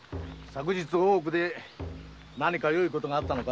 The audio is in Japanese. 大奥で何かよいことがあったのか？